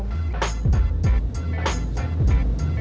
masih sibuk tipu sana sini